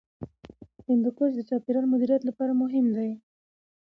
هندوکش د چاپیریال مدیریت لپاره مهم دی.